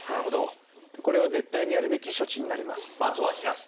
これは絶対にやるべき処置になります。